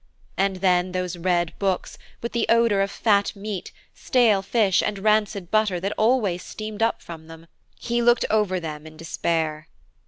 And then those red books, with the odour of fat meat, stale fish and rancid butter that always steams up from them–he looked over them in despair.